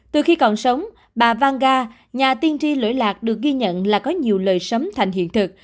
từ khi còn sống bà vanga nhà tiên tri lưỡi lạc được ghi nhận là có nhiều lời sấm thành hiện thực